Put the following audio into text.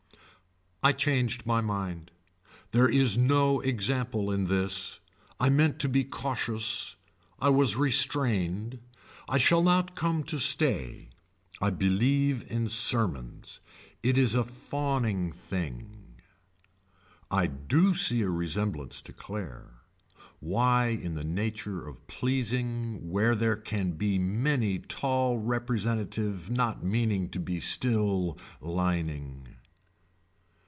I changed my mind. No there is no example in this. I meant to be cautious. I was restrained. I shall not come to stay. I believe in sermons. It is a fauning thing. I do see a resemblance to Claire. Why in the nature of pleasing where there can be many tall representative not meaning to be still lining.